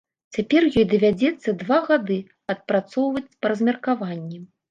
Цяпер ёй давядзецца два гады адпрацоўваць па размеркаванні.